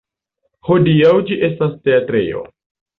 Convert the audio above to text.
Hodiaŭ ĝi estas teatrejo.